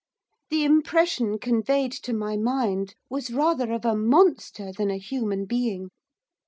The impression conveyed to my mind was rather of a monster than a human being.